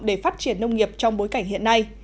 để phát triển nông nghiệp trong bối cảnh hiện nay